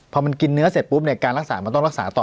พอมันกินเนื้อเสร็จปุ๊บเนี่ยการรักษามันต้องรักษาต่อ